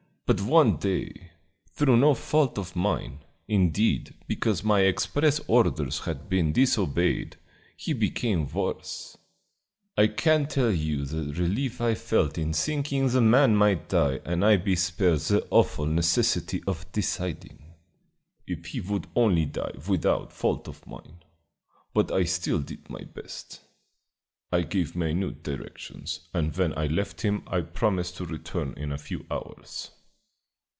"But one day, through no fault of mine indeed, because my express orders had been disobeyed he became worse. I can't tell you the relief I felt in thinking the man might die and I be spared the awful necessity of deciding. If he would only die without fault of mine but I still did my best. I gave minute directions, and when I left him I promised to return in a few hours.